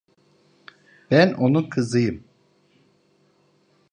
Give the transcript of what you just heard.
Ben onun kızıyım.